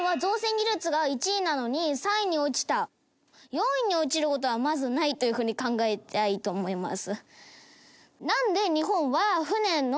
４位に落ちる事はまずないというふうに考えたいと思います。